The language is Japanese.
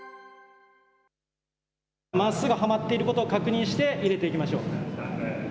まっすぐはまっていることを確認して入れていきましょう。